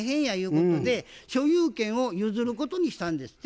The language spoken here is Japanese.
ことで所有権を譲ることにしたんですって。